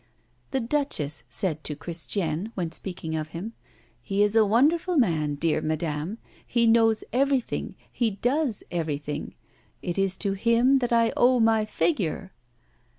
The Duchess said to Christiane, when speaking of him: "He is a wonderful man, dear Madame. He knows everything; he does everything. It is to him that I owe my figure."